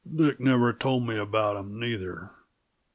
"Dick never told me about 'em, neither.